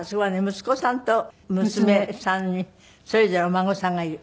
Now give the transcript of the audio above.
息子さんと娘さんにそれぞれお孫さんがいる。